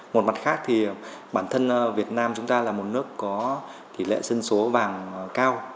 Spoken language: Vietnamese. một mặt khác thì bản thân việt nam chúng ta là một nước có tỷ lệ dân số vàng cao